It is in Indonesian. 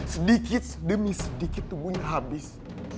sedikit demi sedikit tubuhnya habis